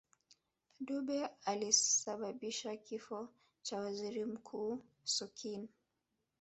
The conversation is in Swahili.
dube alisababisua kifo cha waziri mkuu sokoine